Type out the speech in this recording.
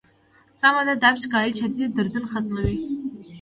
سمه ده دا پيچکارۍ شديد دردونه ختموي.